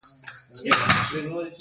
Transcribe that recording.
ازادي راډیو د تعلیم وضعیت انځور کړی.